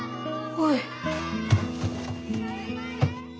おい！